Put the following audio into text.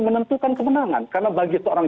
menentukan kemenangan karena bagi seorang